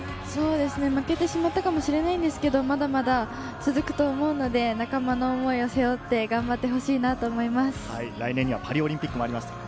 負けてしまったかもしれないんですけど、まだまだ続くと思うので仲間の思いを背負って頑来年にはパリオリンピックもあります。